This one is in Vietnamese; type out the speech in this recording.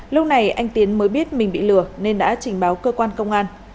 lúc này anh tiến mới biết mình bị lừa nên đã trình báo cơ quan công an